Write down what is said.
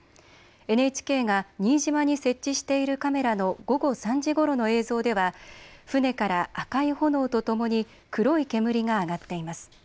ＮＨＫが新島に設置しているカメラの午後３時ごろの映像では船から赤い炎とともに黒い煙が上がっています。